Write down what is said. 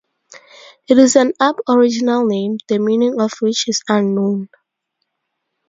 It is an Aboriginal name, the meaning of which is unknown.